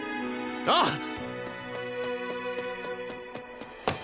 ああ！